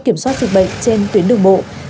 kiểm soát dịch bệnh trên tuyến đường bộ